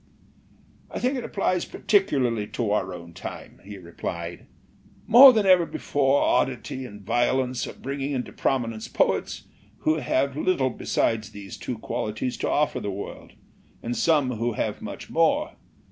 '* "I think it applies particularly to our own time/' he replied. "More than ever before oddity and violence are bringing into prominence poets who have little besides these two qualities to offer the world, and some who have much more.